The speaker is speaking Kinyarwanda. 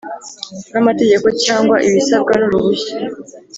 n amategeko cyangwa ibisabwa n uruhushya